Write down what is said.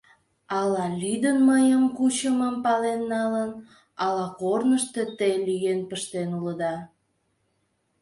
Ала лӱдын, мыйым кучымым пален налын, ала корнышто те лӱен пыштен улыда.